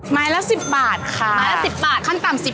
ไม้ละ๑๐บาทค่ะไม้ละ๑๐บาทขั้นต่ำ๑๐